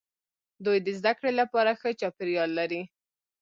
دوی د زده کړې لپاره ښه چاپیریال لري.